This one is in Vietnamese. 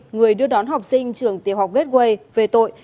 người đưa đón học sinh trường tiểu học gateway về tội